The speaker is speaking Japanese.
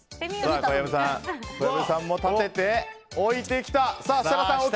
小籔さんも立てて置いてきた！